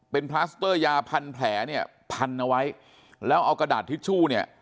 เป็นพลาสเตอร์ยาพันแผลเนี่ยพันเอาไว้แล้วเอากระดาษทิชชู่เนี่ย